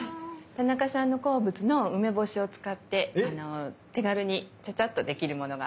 田中さんの好物の梅干しを使って手軽にチャチャッと出来るものがあるんです。